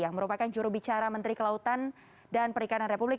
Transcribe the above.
yang merupakan jurubicara menteri kelautan dan perikanan republik